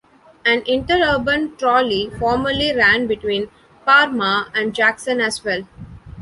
An interurban trolley formerly ran between Parma and Jackson as well.